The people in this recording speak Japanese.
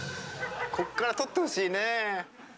こっから撮ってほしいね。